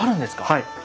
はい。